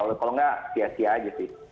kalau tidak sia sia saja sih